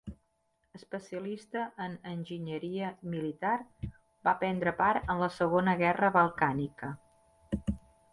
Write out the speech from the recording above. Especialista en enginyeria militar, va prendre part en la Segona Guerra Balcànica.